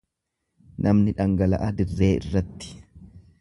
Namni dhaga'a dirree irratti.